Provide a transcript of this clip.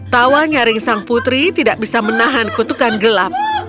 tawanya ringsang putri tidak bisa menahan kutukan gelap